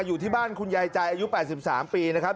อยู่ที่บ้านคุณยายใจอายุ๘๓ปีนะครับ